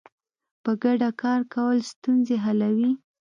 په ګډه کار کول ستونزې حلوي.